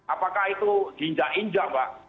apakah itu ginjak injak mbak